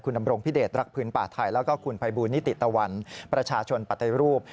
ดำรงพิเดชรักพื้นป่าไทยแล้วก็คุณภัยบูลนิติตะวันประชาชนปฏิรูป